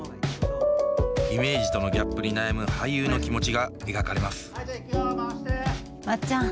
イメージとのギャップに悩む俳優の気持ちが描かれますまっちゃん。